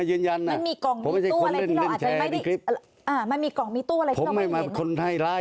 อะงั้นเดี๋ยวเดินช่องหน้ากลับมา